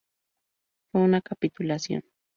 Fue una capitulación.